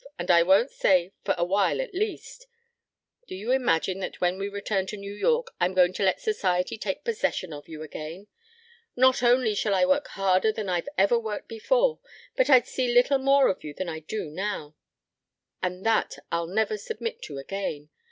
And I won't say 'for a while, at least.' Do you imagine that when we return to New York I'm going to let Society take possession of you again? Not only shall I work harder than I've ever worked before, but I'd see little more of you than I do now. And that I'll never submit to again.